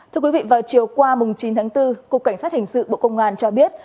thưa quý vị vào chiều qua chín tháng bốn cục cảnh sát hình sự bộ công an cho biết